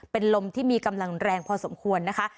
เป็นลมที่มีกำลังแรงพอสมควรนะคะ